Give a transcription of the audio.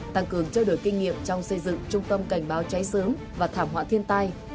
tăng cường trao đổi kinh nghiệm trong xây dựng trung tâm cảnh báo cháy sớm và thảm họa thiên tai